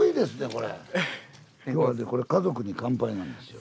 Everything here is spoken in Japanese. これ「家族に乾杯」なんですよ。